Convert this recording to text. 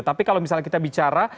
tapi kalau misalnya kita bicara